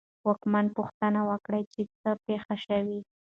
واکمن پوښتنه وکړه چې څه پېښ شوي.